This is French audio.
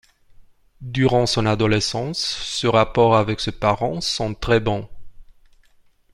Durant son adolescence, ses rapports avec ses parents sont très bons.